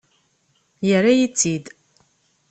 Yerra-yi-tt-id.